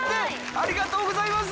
ありがとうございます！